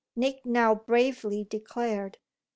Nick now bravely declared.